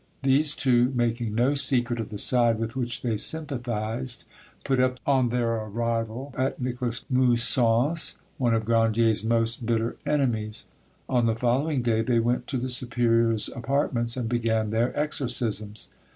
These two, making no secret of the side with which they sympathised, put up on their arrival at Nicolas Moussant's, one of Grandier's most bitter enemies; on the following day they went to the superior's apartments and began their exorcisms.